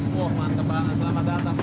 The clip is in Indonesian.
wah mantep banget selamat datang